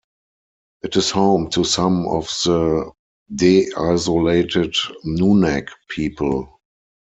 It is home to some of the deisolated Nunak people.